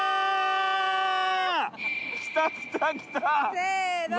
せの。